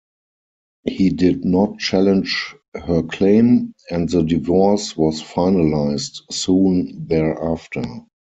He did not challenge her claim, and the divorce was finalized soon thereafter.